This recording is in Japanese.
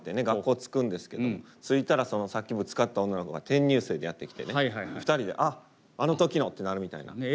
学校着くんですけど着いたらそのさっきぶつかった女の子が転入生でやって来てね２人で「あっあの時の」ってなるみたいな。